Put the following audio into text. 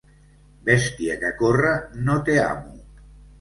Bèstia que corre no té amo.